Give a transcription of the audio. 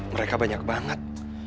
mereka banyak banget